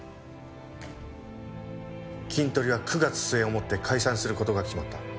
キントリは９月末をもって解散する事が決まった。